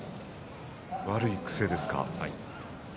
悪い癖ですか？